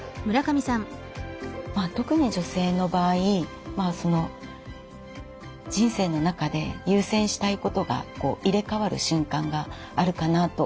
特に女性の場合人生の中で優先したいことが入れ代わる瞬間があるかなと思うんですよね。